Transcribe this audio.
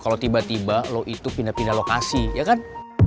kalau tiba tiba lo itu pindah pindah lokasi ya kan